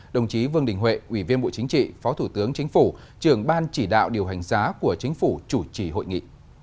đồng chí vương đình huệ ủy viên bộ chính trị phó thủ tướng chính phủ trường ban chỉ đạo điều hành giá của chính phủ chủ trì hội nghị